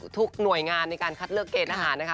ทุกหน่วยงานในการคัดเลือกเกณฑหารนะคะ